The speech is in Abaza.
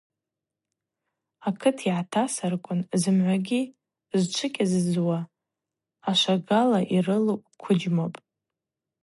Акыт йгӏатасырквын зымгӏвагьи зчвыкӏьазызуа ашвагала йрылу уквыджьмапӏ.